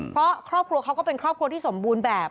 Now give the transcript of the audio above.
เพราะครอบครัวเขาก็เป็นครอบครัวที่สมบูรณ์แบบ